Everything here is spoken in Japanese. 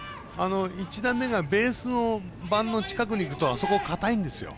１打目がベース板の近くに行くとあそこ、硬いんですよ。